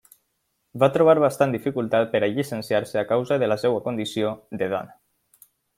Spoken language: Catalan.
Va trobar bastant dificultat per a llicenciar-se a causa de la seua condició de dona.